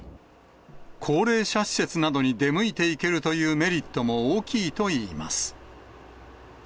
高齢者施設などに出向いていけるというメリットも大きいといいます。